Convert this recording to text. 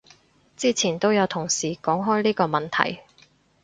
之前都有同事講開呢個問題